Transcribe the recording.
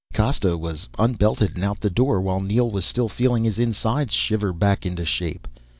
Costa was unbelted and out the door while Neel was still feeling his insides shiver back into shape.